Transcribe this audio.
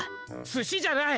すしじゃない！